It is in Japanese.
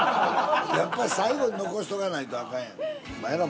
やっぱし最後に残しとかないとあかんやん。